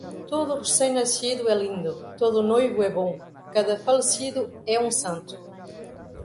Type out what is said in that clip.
Todo recém-nascido é lindo, todo noivo é bom, cada falecido é um santo.